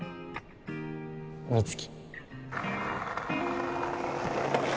美月